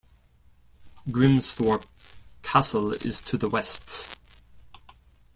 Grimsthorpe Castle is to the west.